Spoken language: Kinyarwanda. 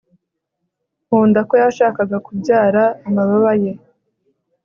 nkunda ko yashakaga kubyara amababa ye